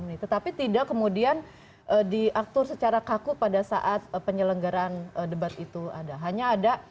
ini tetapi tidak kemudian diatur secara kaku pada saat penyelenggaran debat itu ada hanya ada